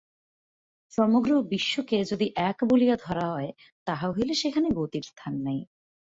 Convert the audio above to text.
সমগ্র বিশ্বকে যদি এক বলিয়া ধরা হয়, তাহা হইলে সেখানে গতির স্থান নাই।